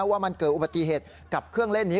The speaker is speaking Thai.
ว่ามันเกิดอุบัติเหตุกับเครื่องเล่นนี้